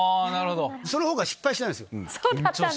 その方が失敗しないんですよ。